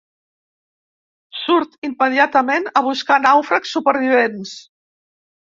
Surt immediatament a buscar nàufrags supervivents.